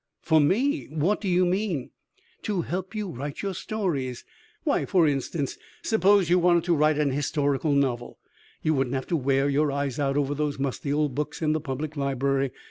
"For me! What do you mean?" "To help you write your stories. Why, for instance, suppose you wanted to write an historical novel. You wouldn't have to wear your eyes out over those musty old books in the public library.